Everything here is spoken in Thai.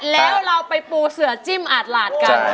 แล้วเราไปปูเสือจิ้มอาจหลาดกัน